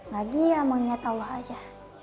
lagi ya mengingat allah aja